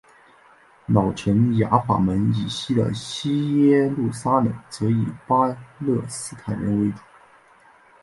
老城雅法门以西的西耶路撒冷则以巴勒斯坦人为主。